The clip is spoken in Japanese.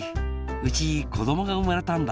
うちこどもがうまれたんだ。